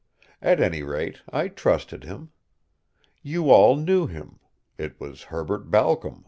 At any rate, I trusted him. You all knew him. It was Herbert Balcom.